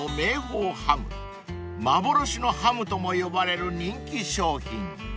［幻のハムとも呼ばれる人気商品］